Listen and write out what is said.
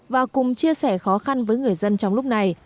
và cùng chia sẻ khó khăn với người dân trong lúc này